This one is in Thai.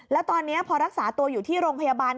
แล้วตอนนี้พอรักษาตัวอยู่ที่โรงพยาบาล